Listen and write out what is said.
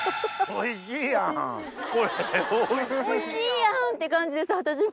おいしいやん！って感じです私も。